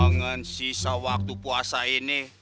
gue pengen sisa waktu puasa ini